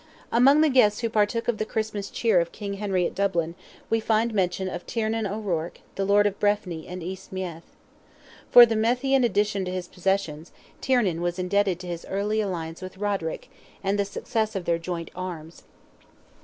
Among the guests who partook of the Christmas cheer of King Henry at Dublin, we find mention of Tiernan O'Ruarc, the lord of Breffni and East Meath. For the Methian addition to his possessions, Tiernan was indebted to his early alliance with Roderick, and the success of their joint arms.